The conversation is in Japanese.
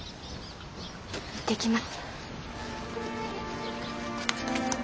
行ってきます。